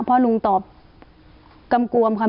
เพราะลุงตอบกำกวมค่ะ